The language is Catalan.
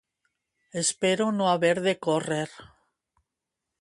Espero no haver de córrer